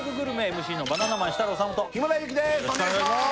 ＭＣのバナナマン設楽統と日村勇紀ですお願いします